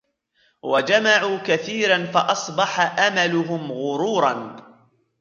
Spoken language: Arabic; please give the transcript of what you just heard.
وَجَمَعُوا كَثِيرًا فَأَصْبَحَ أَمَلُهُمْ غُرُورًا